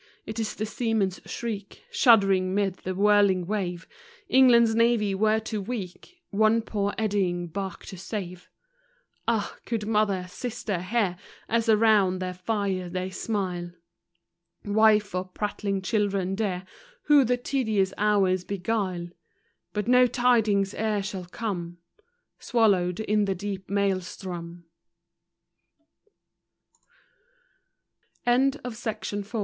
it is the seamen's shriek, Shuddering 'mid the whirling wave, England's navy were too weak One poor eddying bark to save. Ah, could mother, sisters, hear, As around their fire they smile ; Wife, or prattling children deaf, Who the tedious hours beguile— But no tidings e'er shall come ; Swalloweck lost, in deep Maelstro